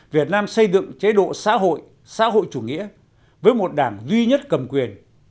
việt nam xây dựng chế độ xã hội xã hội chủ nghĩa với một đảng duy nhất cầm quyền